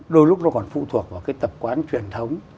đôi lúc nó còn phụ thuộc vào cái tập quán truyền thống